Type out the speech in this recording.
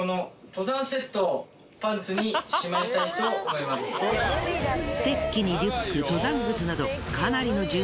前回のステッキにリュック登山靴など。